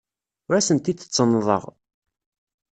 Ur asent-d-ttennḍeɣ.